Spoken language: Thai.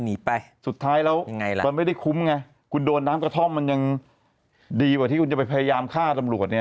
หนีไปสุดท้ายแล้วยังไงล่ะมันไม่ได้คุ้มไงคุณโดนน้ำกระท่อมมันยังดีกว่าที่คุณจะไปพยายามฆ่าตำรวจเนี่ย